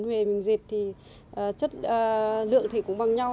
về mình dệt thì chất lượng thì cũng bằng nhau